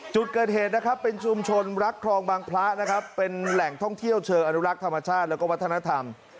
จุดเกิดเหตุนะครับเป็นชุมชนรักคลองบางพระนะครับเป็นแหล่งท่องเที่ยวเชิงอนุรักษ์ธรรมชาติแล้วก็วัฒนธรรม